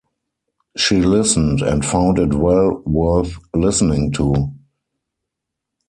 She listened, and found it well worth listening to.